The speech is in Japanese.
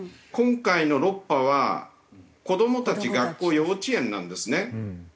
今回の６波は子どもたち学校幼稚園なんですね。